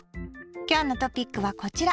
今日のトピックはこちら。